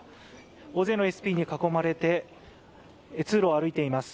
大勢のＳＰに囲まれて通路を歩いています。